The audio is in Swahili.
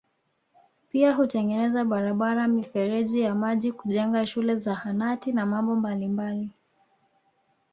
Pia hutengeneza barabara mifereji ya maji kujenga shule Zahanati na mambo mabalimbali